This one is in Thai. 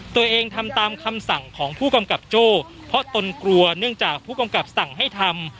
ตัวเองทำตามคำสั่งของผู้กำกับโจ้เพราะตนกลัวเนื่องจากผู้กำกับสั่งให้ทำ